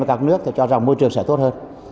các nước cho rằng môi trường sẽ tốt hơn